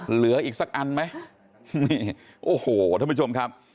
เหลืออีกสักอันไหมนี่โอ้โหท่านผู้ชมครับ